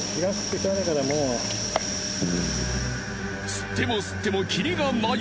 吸っても吸ってもキリがない。